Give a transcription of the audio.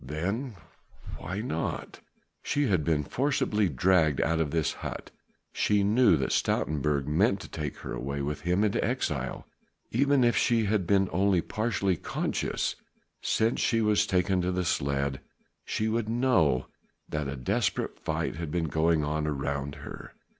"Then why not?" She had been forcibly dragged out of this hut: she knew that Stoutenburg meant to take her away with him into exile; even if she had been only partially conscious since she was taken to the sledge, she would know that a desperate fight had been going on around her.